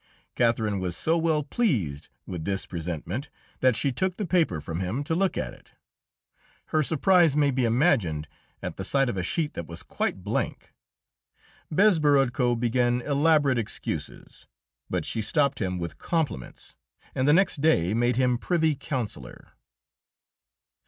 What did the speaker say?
Catherine was so well pleased with this presentment that she took the paper from him to look at it. Her surprise may be imagined at the sight of a sheet that was quite blank! Bezborodko began elaborate excuses, but she stopped him with compliments, and the next day made him Privy Councillor.